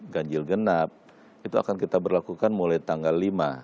ganjil genap itu akan kita berlakukan mulai tanggal lima